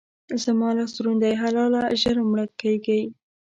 زما لاس دروند دی؛ حلاله ژر مړه کېږي.